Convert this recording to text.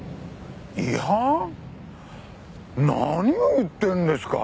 違反？何を言ってるんですか！